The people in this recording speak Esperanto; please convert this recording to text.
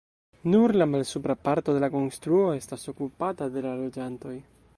Nur la malsupra parto de la konstruo estas okupata de la loĝantoj.